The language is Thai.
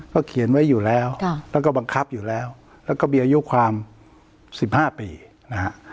เขาเขียนไว้อยู่แล้วแล้วก็บังคับอยู่แล้วแล้วก็มีอายุความ๑๕ปีนะฮะ